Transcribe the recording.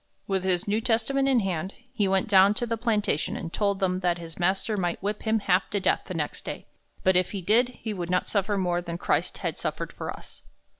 With his New Testament in hand, he went down to the plantation and told them that his master might whip him half to death the next day, but if he did, he would not suffer more than Christ had suffered for us.